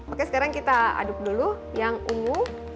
oke sekarang kita aduk dulu yang ungu